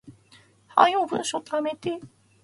早う文章溜めて